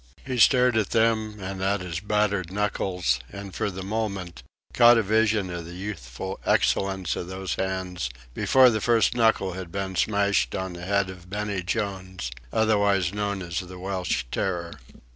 He stared at them and at his battered knuckles, and, for the moment, caught a vision of the youthful excellence of those hands before the first knuckle had been smashed on the head of Benny Jones, otherwise known as the Welsh Terror.